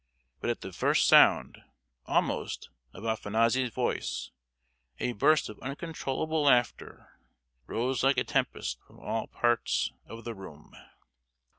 But at the first sound, almost, of Afanassy's voice, a burst of uncontrollable laughter rose like a tempest from all parts of the room.